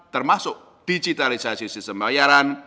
termasuk digitalisasi sistem bayaran